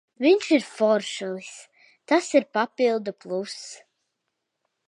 Viņš ir foršulis, tas ir papildu pluss.